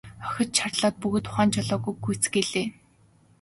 Охид чарлаад л бүгд ухаан жолоогүй гүйцгээлээ.